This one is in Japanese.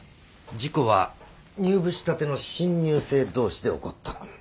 事故は入部したての新入生同士で起こった。